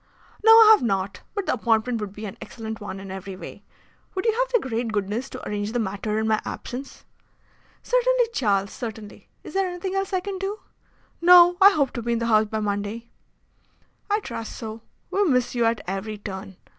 "No, I have not. But the appointment would be an excellent one in every way. Would you have the great goodness to arrange the matter in my absence?" "Certainly, Charles, certainly. Is there anything else that I can do?" "No. I hope to be in the House by Monday." "I trust so. We miss you at every turn.